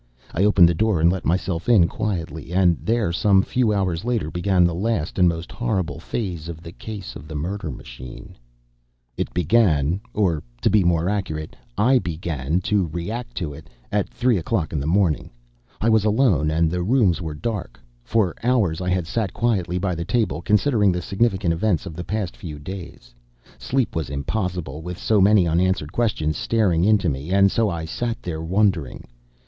I opened the door and let myself in quietly. And there some few hours later, began the last and most horrible phase of the case of the murder machine. It begin or to be more accurate, I began to react to it at three o'clock in the morning. I was alone, and the rooms were dark. For hours I had sat quietly by the table, considering the significant events of the past few days. Sleep was impossible with so many unanswered questions staring into me, and so I sat there wondering.